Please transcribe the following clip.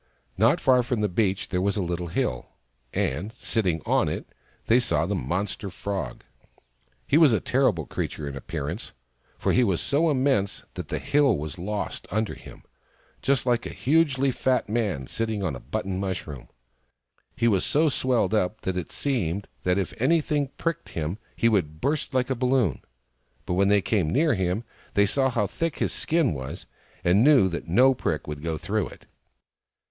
Not far from the beach there was a little hill ; and, sitting on it, they saw the monster Frog. He was a terrible creature in appearance, for he was so immense that the hill was lost under him, just like a hugely fat man sitting on a button mushroom. He was so swelled up that it seemed that if any thing pricked him he would burst like a balloon ; but when they came near him they saw how thick his skin was, and knew that no prick would go through it.